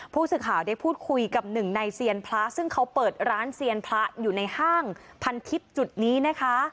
ผู้สื่อข่าวได้พูดคุยกับหนึ่งในเซียนพระซึ่งเขาเปิดร้านเซียนพระอยู่ในห้างพันทิพย์จุดนี้นะคะ